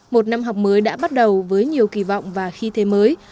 một năm học mới đã bắt đầu với nhiều kỳ vọng và khí thế mới